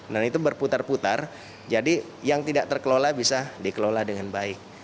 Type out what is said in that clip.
nah itu berputar putar jadi yang tidak terkelola bisa dikelola dengan baik